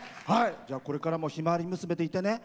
これからも「ひまわり娘」でいてね。